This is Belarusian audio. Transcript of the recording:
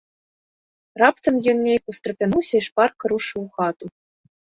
Раптам ён нейк устрапянуўся і шпарка рушыў у хату.